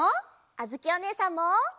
あづきおねえさんも！